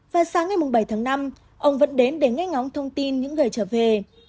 và sáng ngày bảy tháng năm ông vẫn đến để nghe ngóng thông tin những người trở về